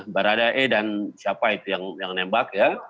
baradae dan siapa itu yang menembak